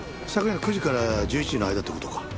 昨夜の９時から１１時の間って事か。